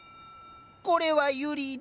これはユリで。